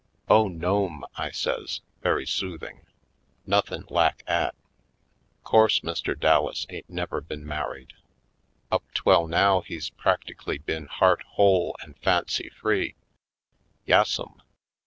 "Oh, nome," I says, very soothing, "noth in' lak 'at. 'Course Mr. Dallas ain't never been married — up 'twell now he's practi cally been heart whole an' fancy free. Yassum!